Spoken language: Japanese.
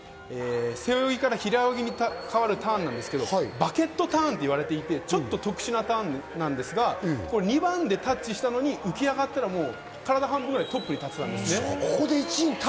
背泳ぎから平泳ぎに変わるターンですが、バケットターンと言われていて、ちょっと特殊なターンですが、２番でターンしたんですが、浮き上がったら体半分くらいトップになってるんです。